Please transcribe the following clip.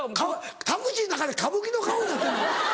タクシーの中で歌舞伎の顔になってんの？